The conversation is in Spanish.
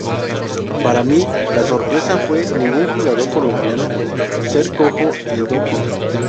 Para mí, la sorpresa fue ningún jugador colombiano ser cojo el doping.